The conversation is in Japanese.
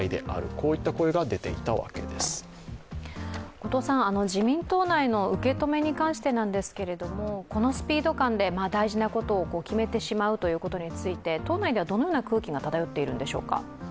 後藤さん、自民党内の受け止めに関してなんですけれどもこのスピード感で大事なことを決めてしまうということについて党内ではどのような空気が漂っているんでしょうか。